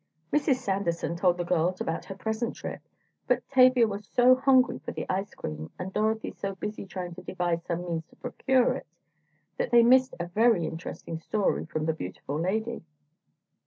Mrs. Sanderson told the girls about her present trip, but Tavia was so hungry for the ice cream, and Dorothy so busy trying to devise some means to procure it, that they missed a very interesting story from the beautiful lady.